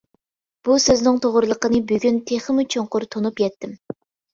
بۇ سۆزنىڭ توغرىلىقىنى بۈگۈن تېخىمۇ چوڭقۇر تونۇپ يەتتىم.